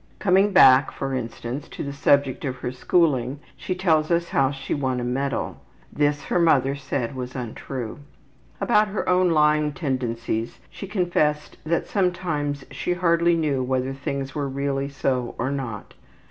Coming back, for instance, to the subject of her schooling she tells us how she won a graduating medal. This her mother said was untrue. About her own lying tendencies she confessed that sometimes she hardly knew whether things were really so or not.